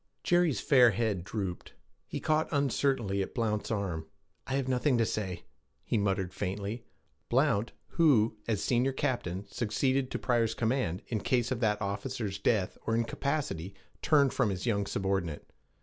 Jerry's fair head drooped; he caught uncertainly at Blount's arm. 'I have nothing to say,' he muttered faintly. Blount, who, as senior captain, succeeded to Pryor's command in case of that officer's death or incapacity, turned from his young subordinate.